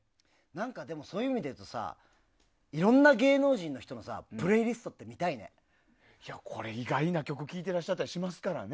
でも、そういう意味で言うとさいろんな芸能人の人の意外な曲聴いていらっしゃったりしますからね。